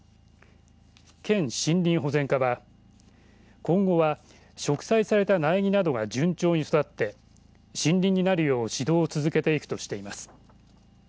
県森林保全課は今後は植栽された苗木などが順調に育って森林になるよう指導を続けていくとしています。